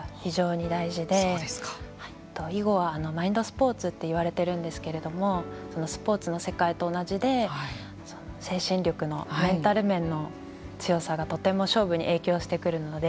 囲碁はマインドスポーツっていわれているんですけれどもスポーツの世界と同じで精神力のメンタル面の強さがとても勝負に影響してくるので。